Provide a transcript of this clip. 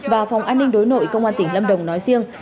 và phòng an ninh đối nội công an tỉnh lâm đồng nói riêng